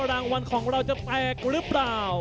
รางวัลของเราจะแตกหรือเปล่า